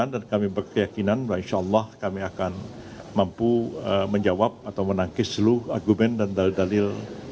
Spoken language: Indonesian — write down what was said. dan kami berkeyakinan insya allah kami akan mampu menjawab atau menangkis seluruh argumen dan dalil dalil